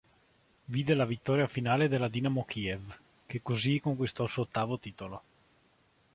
Vide la vittoria finale della Dinamo Kiev, che così conquistò il suo ottavo titolo.